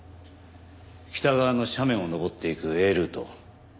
北側の斜面を登っていくＡルート。